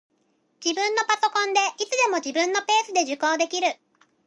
自分のパソコンで、いつでも自分のペースで受講できる